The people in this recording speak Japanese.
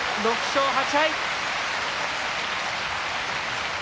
６勝８敗。